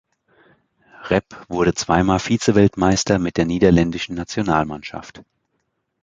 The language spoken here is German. Rep wurde zweimal Vize-Weltmeister mit der niederländischen Nationalmannschaft.